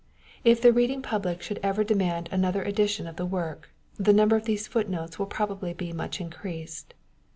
If the reading public should ever demand another edition of the work, the number of these foot notes will probably be much increased.